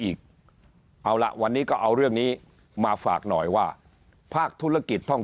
อีกเอาละวันนี้ก็เอาเรื่องนี้มาฝากหน่อยว่าภาคธุรกิจท่อง